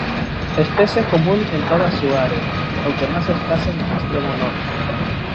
Especie común en toda su área, aunque más escasa en el extremo norte.